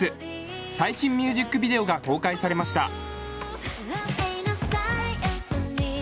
最新ミュージックビデオが公開されました。